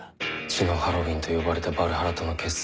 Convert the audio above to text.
「血のハロウィンと呼ばれた芭流覇羅との決戦」